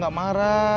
nih aku mau ke rumah